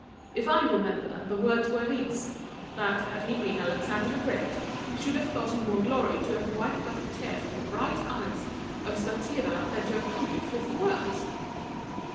If I remember, the words were these that, had he been Alexander the Great, he should have thought it more glory to have wiped off a tear from the bright eyes of Statira than to have conquered fifty worlds."